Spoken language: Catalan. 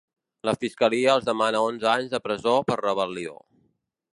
La fiscalia els demana onze anys de presó per rebel·lió.